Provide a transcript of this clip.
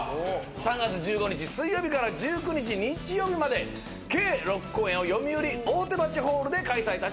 ３月１５日水曜日から１９日日曜日まで計６公演をよみうり大手町ホールで開催いたします。